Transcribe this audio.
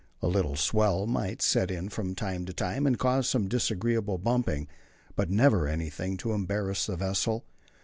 A little swell might set in from time to time and cause some disagreeable bumping, but never anything to embarrass the vessel.